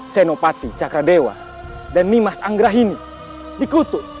senopati cakra dewa dan nimas anggrahini dikutuk